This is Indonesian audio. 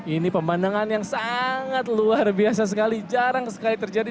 ini pemandangan yang sangat luar biasa sekali jarang sekali terjadi